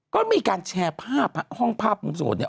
ก็มีการแชร์ภาพฮะห้องภาพมุมสงบนี้